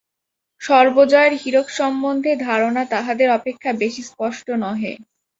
সর্বজয়ারও হীরক সম্বন্ধে ধারণা তাহাদের অপেক্ষা বেশি স্পষ্ট নহে।